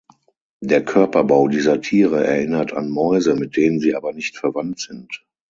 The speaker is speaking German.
Der Körperbau dieser Tiere erinnert an Mäuse, mit denen sie aber nicht verwandt sind.